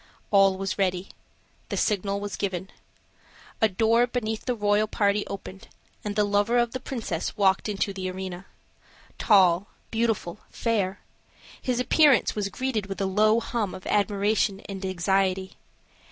All was ready. The signal was given. A door beneath the royal party opened, and the lover of the princess walked into the arena. Tall, beautiful, fair, his appearance was greeted with a low hum of admiration and anxiety.